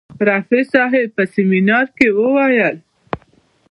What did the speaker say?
رفیع صاحب په سیمینار کې وویل.